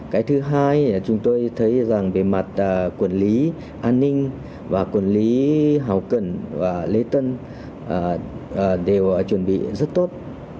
cái thứ hai chúng tôi thấy rằng bề mặt quản lý an ninh và quản lý hào cẩn và lê tân đều chuẩn bị rất tốt